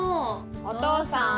お父さん。